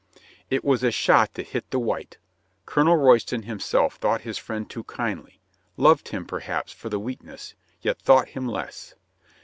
It was a shot that hit the white. Colonel Royston himself thought his friend too kindly — loved him, perhaps, for the weakness, yet thought him less.